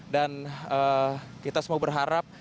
dan kita semua berharap